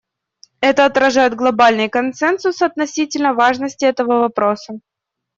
Это отражает глобальный консенсус относительно важности этого вопроса.